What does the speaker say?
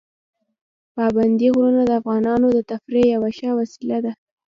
پابندي غرونه د افغانانو د تفریح یوه ښه وسیله ده.